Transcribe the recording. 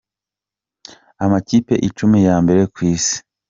Amakipe icumi ya mbere ku isi.